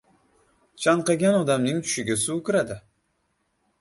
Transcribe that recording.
• Chanqagan odamning tushiga suv kiradi.